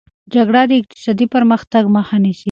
جګړه د اقتصادي پرمختګ مخه نیسي.